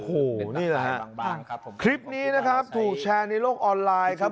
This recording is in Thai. โอ้โหนี่แหละครับคลิปนี้ถูกแชร์ในโลกออนไลน์ครับ